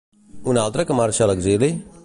Un altre que marxa a l'exili?